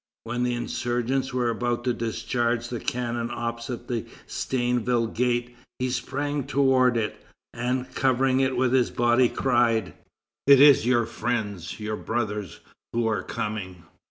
When the insurgents were about to discharge the cannon opposite the Stainville gate, he sprang towards it, and covering it with his body, cried: "It is your friends, your brothers, who are coming!